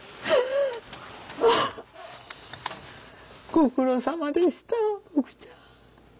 ご苦労さまでした僕ちゃん。